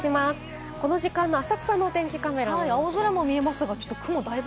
この時間の浅草のお天気カメラ、青空も見えますか。